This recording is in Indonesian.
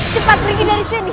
cepat pergi dari sini